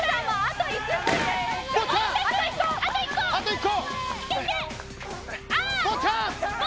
あと１個。